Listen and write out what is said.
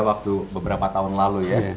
waktu beberapa tahun lalu ya